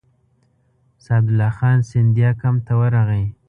سعدالله خان سیندیا کمپ ته ورغی.